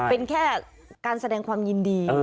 เป็นแค่การแสดงความยินดี